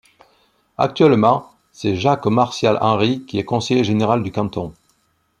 Actuellement, c'est Jacques Martial Henri qui est conseiller général du canton.